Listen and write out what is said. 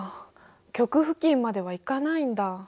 極付近までは行かないんだ。